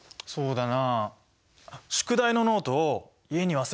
そうだね。